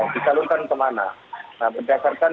dikalu kalu kemana nah berdasarkan